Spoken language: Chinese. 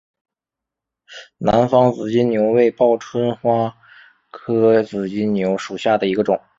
南方紫金牛为报春花科紫金牛属下的一个种。